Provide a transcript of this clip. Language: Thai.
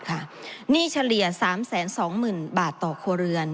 หนี้เฉลี่ย๓๒๐๐๐บาทต่อครัวเรือน